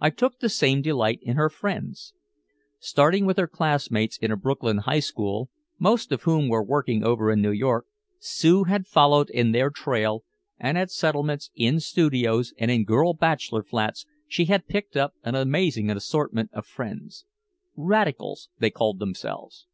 I took the same delight in her friends. Starting with her classmates in a Brooklyn high school, most of whom were working over in New York, Sue had followed in their trail, and at settlements, in studios and in girl bachelor flats she had picked up an amazing assortment of friends. "Radicals," they called themselves.